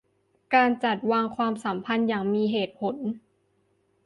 การจัดวางความสัมพันธ์อย่างมีเหตุผล